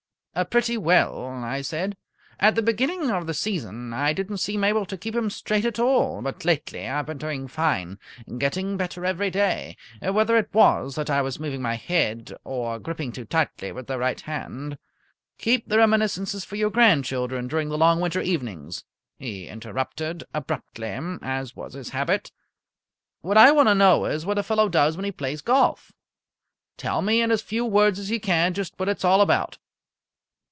"Pretty well," I said. "At the beginning of the season I didn't seem able to keep 'em straight at all, but lately I've been doing fine. Getting better every day. Whether it was that I was moving my head or gripping too tightly with the right hand " "Keep the reminiscences for your grandchildren during the long winter evenings," he interrupted, abruptly, as was his habit. "What I want to know is what a fellow does when he plays golf. Tell me in as few words as you can just what it's all about."